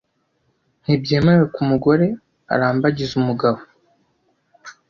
ntibyemewe kumugore arambagiza umugabo